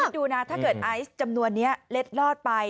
ดูนะถ้าเกิดไอซ์จำนวนนี้เล็ดลอดไป